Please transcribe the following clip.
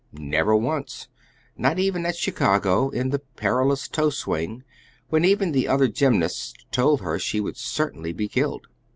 Never once, not even at Chicago, in the perilous toe swing, when even the other gymnasts told her she would certainly be killed.